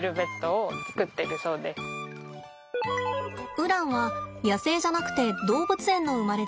ウランは野生じゃなくて動物園の生まれです。